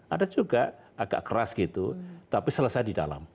ada juga agak keras gitu tapi selesai di dalam